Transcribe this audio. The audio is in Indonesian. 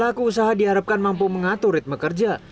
menjaga kesehatan mental dan menjaga kemampuan mengatur ritme kerja